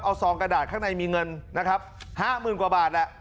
เอาสองกระดาษข้างในมีเงินนะครับห้าหมื่นกว่าบาทอ่ะ